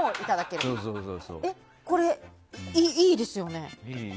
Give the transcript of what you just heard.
これ、いいですよね。